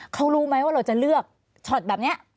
เขารู้ไหมว่าเราจะเลือกช็อตแบบนี้